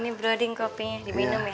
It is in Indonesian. ini broading kopinya diminum ya